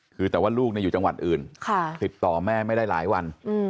คือแต่ว่าลูกอยู่จังหวัดอื่นติดต่อแม่ไม่ได้หลายวัน